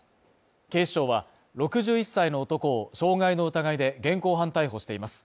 警視庁は６１歳の男を傷害の疑いで現行犯逮捕しています。